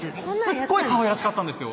すっごいかわいらしかったんですよ